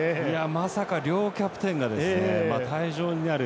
まさか両キャプテンが退場になる。